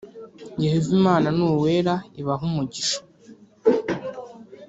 Yehova Imana ni uwera ibahe umugisha